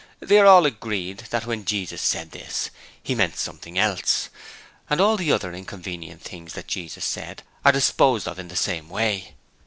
They are all agreed that when Jesus said this He meant something else: and all the other inconvenient things that Jesus said are disposed of in the same way.